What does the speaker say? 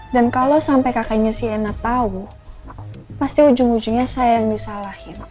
dan kalau sampai kakaknya shaina tahu pasti ujung ujungnya saya yang disalahin